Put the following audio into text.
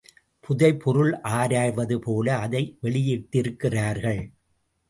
புதை பொருள் ஆராய்வது போல அதை வெளியிட்டிருக்கிறார்கள்.